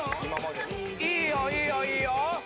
いいよいいよいいよ。